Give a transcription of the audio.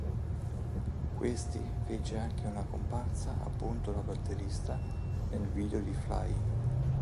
Questi fece anche una comparsa, appunto da batterista, nel video di "Fly".